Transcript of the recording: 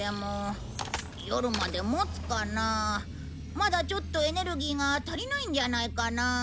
まだちょっとエネルギーが足りないんじゃないかな？